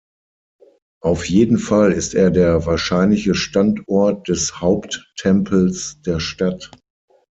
Auf jeden Fall ist er der wahrscheinliche Standort des Haupttempels der Stadt.